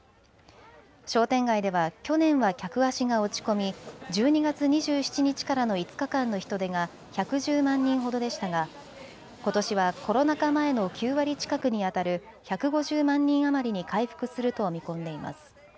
商店街では去年は客足が落ち込み１２月２７日からの５日間の人出が１１０万人ほどでしたがことしはコロナ禍前の９割近くにあたる１５０万人余りに回復すると見込んでいます。